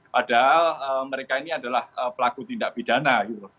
padahal mereka ini adalah pelaku tindak pidana